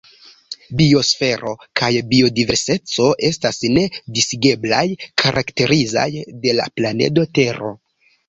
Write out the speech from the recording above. Biosfero kaj biodiverseco estas ne disigeblaj, karakterizaj de la planedo Tero.